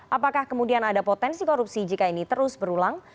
apakah kemudian ada potensi korupsi jika ini terus berulang